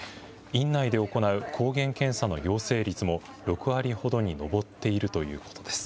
院内で行う抗原検査の陽性率も６割ほどに上っているということです。